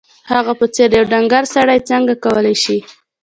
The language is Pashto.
د هغه په څېر یو ډنګر سړی څنګه کولای شي